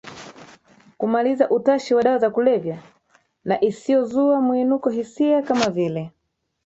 kumaliza utashi wa dawa za kulevya na isiyozua mwinukiohisia kama vile